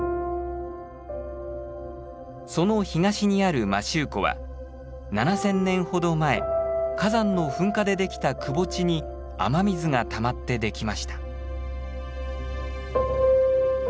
その東にある摩周湖は７，０００年ほど前火山の噴火でできたくぼ地に雨水がたまってできました。